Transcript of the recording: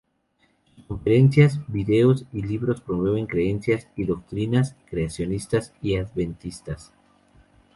Sus conferencias, videos y libros promueven creencias y doctrinas creacionistas y adventistas.